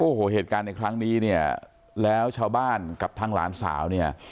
โอ้โหเหตุการณ์ในครั้งนี้เนี่ยแล้วชาวบ้านกับทางหลานสาวเนี่ย